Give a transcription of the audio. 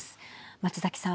松崎さん。